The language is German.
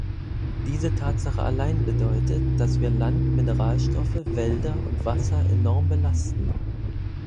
Diese Tatsache allein bedeutet, dass wir Land, Mineralstoffe, Wälder und Wasser enorm belasten.